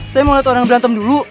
saya mau lihat orang berantem dulu